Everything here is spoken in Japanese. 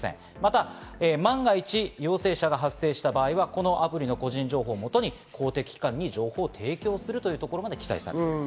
万が一、陽性者が発生した場合は、このアプリの個人情報をもとに、法的機関に情報を提供するというところまで記載されています。